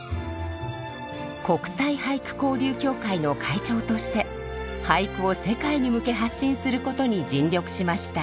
国際俳句交流協会の会長として俳句を世界に向け発信することに尽力しました。